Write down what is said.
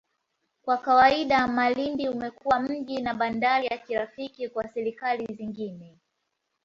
Kwa kawaida, Malindi umekuwa mji na bandari ya kirafiki kwa serikali zingine.